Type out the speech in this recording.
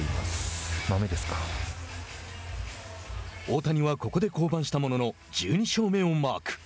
大谷は、ここで降板したものの１２勝目をマーク。